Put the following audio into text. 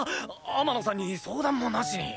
天野さんに相談もなしに。